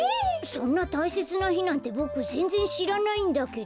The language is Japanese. そんなたいせつなひなんてボクぜんぜんしらないんだけど。